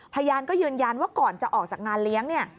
พยานก็ยืนยันว่าก่อนจะออกจากงานเลี้ยงเนี่ย